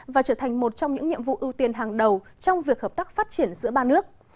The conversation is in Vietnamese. và trở thành một trong những nhiệm vụ ưu tiên hàng đầu trong việc hợp tác phát triển giữa ba nước